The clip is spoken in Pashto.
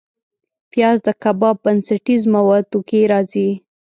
پیاز د کباب بنسټیز موادو کې راځي